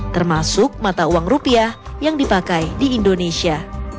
termasuk mata uang rupiah yang dipakai di indonesia